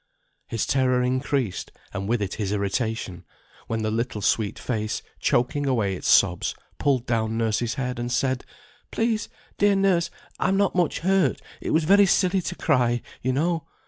His terror increased, and with it his irritation; when the little sweet face, choking away its sobs, pulled down nurse's head and said, "Please, dear nurse, I'm not much hurt; it was very silly to cry, you know.